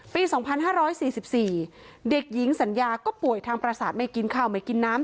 ปี๒๕๔๔เด็กหญิงสัญญาก็ป่วยทางประสาทไม่กินข้าวไม่กินน้ำ